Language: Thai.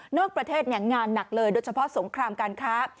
ประเทศงานหนักเลยโดยเฉพาะสงครามการค้า